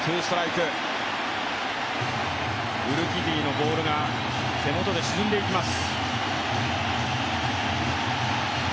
ウルキディのボールが手元で沈んでいきます。